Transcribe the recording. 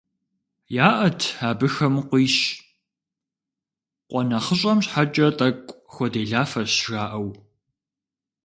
ЯӀэт абыхэм къуищ, къуэ нэхъыщӀэм щхьэкӀэ тӀэкӀу хуэделафэщ жаӀэу.